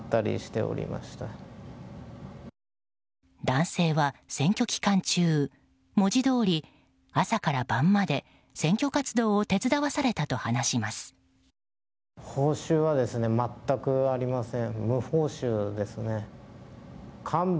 男性は選挙期間中文字どおり朝から晩まで選挙活動を手伝わされたと話します。